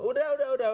sudah sudah sudah